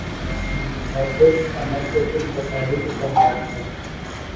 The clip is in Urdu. مجلس عمل ایک انتخابی اتحاد ہے۔